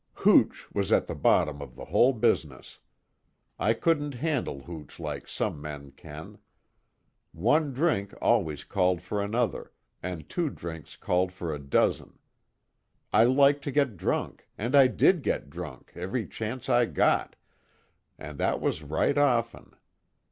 "Hooch was at the bottom of the whole business. I couldn't handle hooch like some men can. One drink always called for another, and two drinks called for a dozen. I liked to get drunk, and I did get drunk, every chance I got and that was right often.